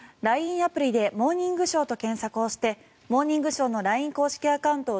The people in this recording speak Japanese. アプリで「モーニングショー」と検索して「モーニングショー」のＬＩＮＥ公式アカウントを